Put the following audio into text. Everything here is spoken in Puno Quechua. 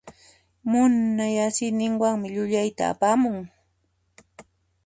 Munay asiyninwanmi llullayta apamun.